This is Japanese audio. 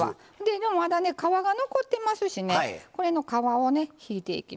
でもまだね皮が残ってますしねこれの皮をね引いていきますよ。